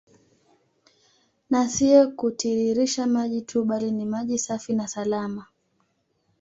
Na sio kutiririsha maji tu bali ni maji safi na salama